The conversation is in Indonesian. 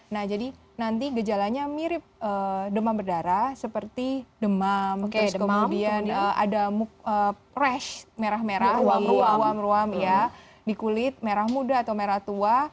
nah jadi nanti gejalanya mirip demam berdarah seperti demam kemudian ada press merah merah lalu awam ruam di kulit merah muda atau merah tua